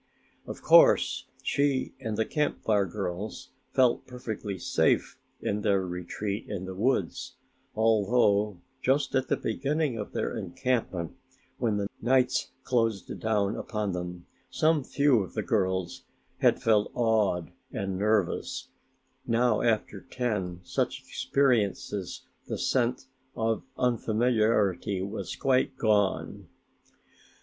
Of course she and the Camp Fire girls felt perfectly safe in their retreat in the woods, although just at the beginning of their encampment, when the nights closed down upon them, some few of the girls had felt awed and nervous, now after ten such experiences the sense of unfamiliarity was quite gone.